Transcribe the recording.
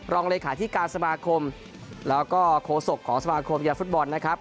รองเลยค์ฐานที่การสมาครมแล้วก็โค้สกของสมาธิของปริยมฟุตบอลนะครับ